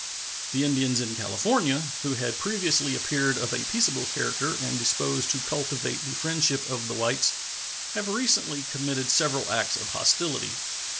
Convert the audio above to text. The Indians in California, who had previously appeared of a peaceable character and disposed to cultivate the friendship of the whites, have recently committed several acts of hostility.